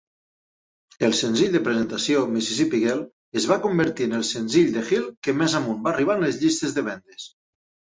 El senzill de presentació, "Mississippi Girl", es va convertir en el senzill de Hill que més amunt va arribar en les llistes de vendes.